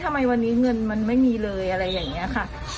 ทำไมวันนี้เงินมันไม่มีเลยอะไรอย่างนี้ค่ะ